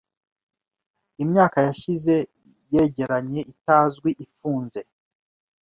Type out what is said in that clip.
Imyaka yashize yegeranye itazwi ifunze